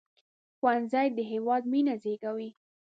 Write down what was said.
ښوونځی د هیواد مينه زیږوي